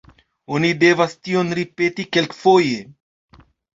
Oni devas tion ripeti kelkfoje.